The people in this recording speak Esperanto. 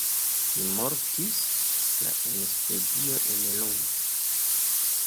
Li mortis la en Svedio en Lund.